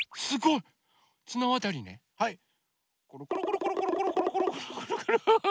すごい。